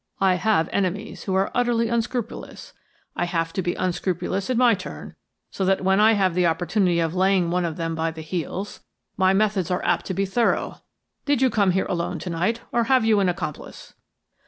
I have enemies who are utterly unscrupulous. I have to be unscrupulous in my turn, so that when I have the opportunity of laying one of them by the heels, my methods are apt to be thorough. Did you come here alone to night, or have you an accomplice?"